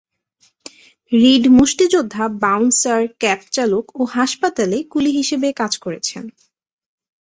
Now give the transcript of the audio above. Read মুষ্টিযোদ্ধা, bouncer, cab চালক ও হাসপাতালে কুলি হিসেবে কাজ করেছেন।